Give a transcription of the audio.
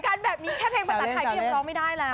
กลายเล่น